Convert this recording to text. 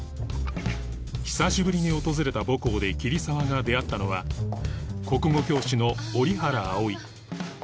久しぶりに訪れた母校で桐沢が出会ったのは国語教師の折原葵